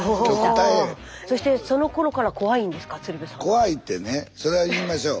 怖いってねそれは言いましょう。